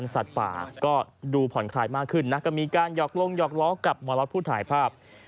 สัตว์ป่าก็ดูผ่อนคลายมากขึ้นนะก็มีการหอกลงหยอกล้อกับหมอล็อตผู้ถ่ายภาพ